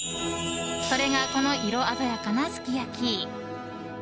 それが、この色鮮やかなすき焼き。